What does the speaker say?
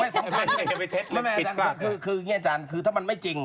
ไม่อาจารย์คือนี่ไงอาจารย์คือถ้ามันไม่จริง